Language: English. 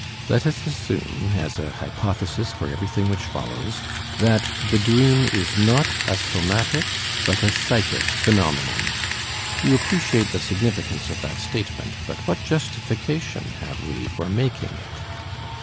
Let us assume as a hypothesis for everything which follows, that the dream is not a somatic but a psychic phenomenon. You appreciate the significance of that statement, but what justification have we for making it?